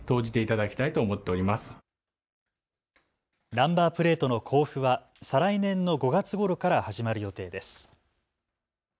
ナンバープレートの交付は再来年の５月ごろから始まる予定です。